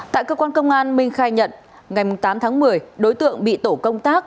tại cơ quan công an minh khai nhận ngày tám tháng một mươi đối tượng bị tổ công tác